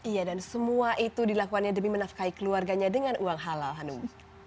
iya dan semua itu dilakukannya demi menafkai keluarganya dengan uang halal hanum